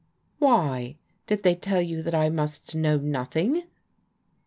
" Why, did they tell you that I must know nothing?